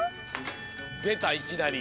でたいきなり。